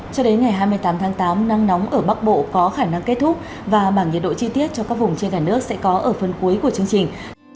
cho đến ngày hai mươi tám tháng tám nắng nóng ở bắc bộ có khả năng kết thúc và bảng nhiệt độ chi tiết cho các vùng trên cả nước sẽ có ở phần cuối của chương trình